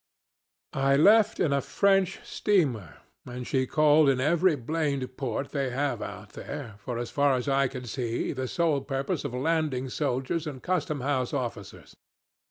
"I left in a French steamer, and she called in every blamed port they have out there, for, as far as I could see, the sole purpose of landing soldiers and custom house officers.